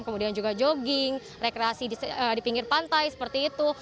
kemudian juga jogging rekreasi di pinggir pantai seperti itu